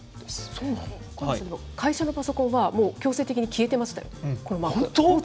会社のパソコンは、もう強制的に消えてましたよ、このマーク。